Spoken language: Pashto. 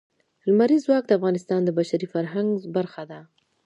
لمریز ځواک د افغانستان د بشري فرهنګ برخه ده.